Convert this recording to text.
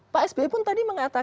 pak sby pun tadi mengatakan